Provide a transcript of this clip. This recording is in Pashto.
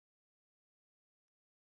ملالۍ وویل چې غازیان ماتي سره مخامخ سوي.